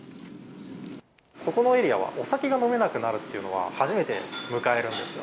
ここのエリアはお酒が飲めなくなるっていうのは、初めて迎えるんですよ。